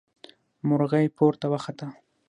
مرغۍ پورته وخته.